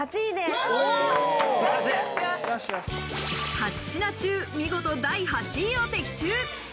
８品中、見事第８位を的中。